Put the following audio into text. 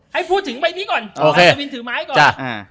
ให้พูดถึงใบนี้ก่อนอัศวินถือไม้ก่อน